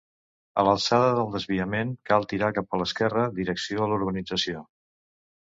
A l'alçada del desviament cal tirar cap a l'esquerra direcció a la urbanització.